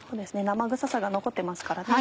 生臭さが残ってますからね。